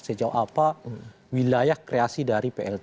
sejauh apa wilayah kreasi dari plt